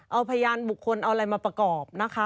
เอาพยานบุคคลเอาอะไรมาประกอบนะคะ